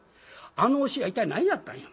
あの教えは一体何やったんや。